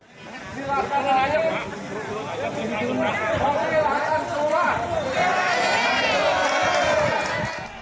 hai silahkan ayo ini juga mau ke latar seluruh